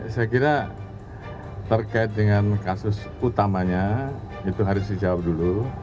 saya kira terkait dengan kasus utamanya itu harus dijawab dulu